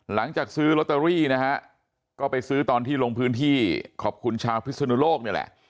หลังจากซื้อลอตเตอรี่นะฮะก็ไปซื้อตอนที่ลงพื้นที่ขอบคุณชาวพิศนุโลกนี่แหละ